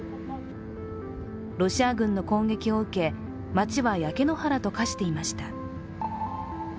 ロシア軍の攻撃を受け、街は焼け野原と化していました。